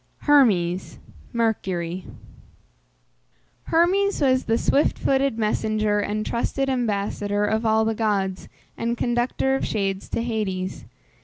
HERMES (MERCURY). Hermes was the swift footed messenger, and trusted ambassador of all the gods, and conductor of shades to Hades.